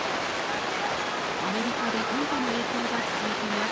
アメリカで寒波の影響が続いています。